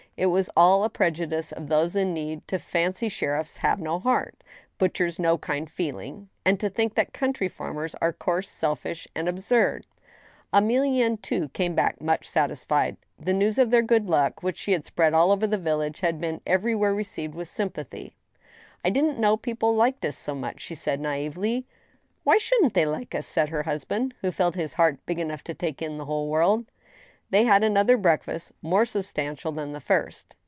It was all a prejudice of those in need to fancy sheriffs have no heart, butchers no kind feeling, and to think that country farmers are coarse, selfish, and absurd. Emilienne, too, came back much satisfied. The news of their good luck, which she had spread all over the village, had been every where received with sympathy. " I didn't know people liked us so much," she said, naively. " Why shouldn't they like us?" said her husband, who felt his heart big enough to take in the whole world. They had another breakfast, more substantial than the first.